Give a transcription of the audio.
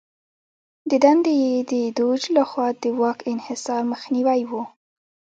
د دنده یې د دوج لخوا د واک انحصار مخنیوی و.